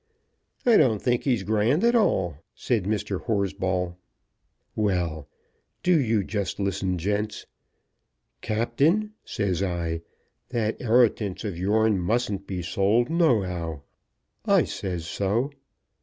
"I don't think he's grand at all," said Mr. Horsball. "Well; do you just listen, gents. 'Captain,' says I, 'that 'eritance of yourn mustn't be sold no how. I says so.